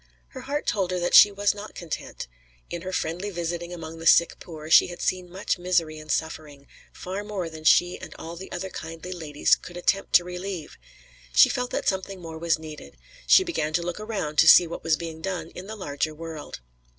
Her heart told her that she was not content. In her friendly visiting among the sick poor she had seen much misery and suffering, far more than she and all the other kindly ladies could attempt to relieve. She felt that something more was needed; she began to look around to see what was being done in the larger world.